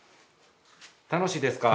楽しいですか？